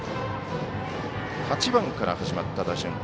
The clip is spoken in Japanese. ８番から始まった打順。